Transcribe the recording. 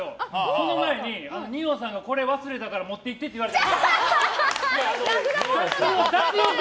その前に、二葉さんがこれを忘れたから持っていってって言われて。